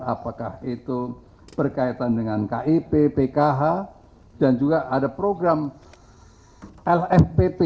apakah itu berkaitan dengan kip pkh dan juga ada program lfpt